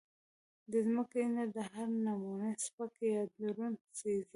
د زمکې نه د هر نمونه سپک يا درون څيز